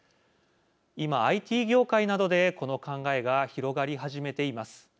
今、ＩＴ業界などでこの考えが広がり始めています。